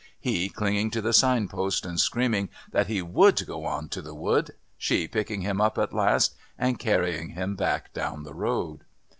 he clinging to the signpost and screaming that he would go on to the Wood, she picking him up at last and carrying him back down the road.